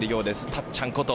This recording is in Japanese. たっちゃんこと